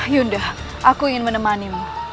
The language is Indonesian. yunda aku ingin menemanimu